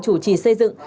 chủ trì xây dựng